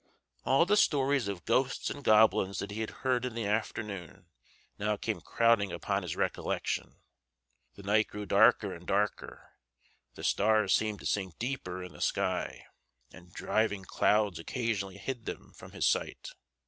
All the stories of ghosts and goblins that he had heard in the afternoon now came crowding upon his recollection. The night grew darker and darker; the stars seemed to sink deeper in the sky, and driving clouds occasionally had them from his sight.